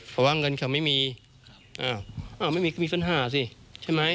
เพราะว่าเงินเขาไม่มีครับอ้าวไม่มีก็มีปัญหาสิใช่ไหม